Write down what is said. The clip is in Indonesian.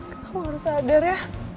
kamu harus sadar ya